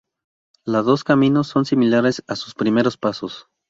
La dos caminos son similares en sus primeros pasos.